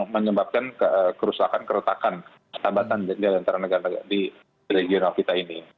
menyebabkan kerusakan keretakan persahabatan di antara negara negara di regional kita ini